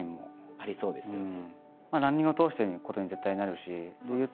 ありそうですよね。